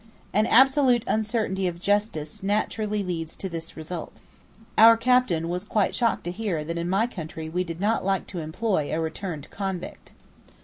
An absolute uncertainty of justice naturally leads to this result. Our captain was quite shocked to hear that in my country we did not like to employ a returned convict.